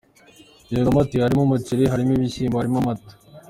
Yungamo ati “harimo umuceri, harimo ibishyimbo, harimo amata.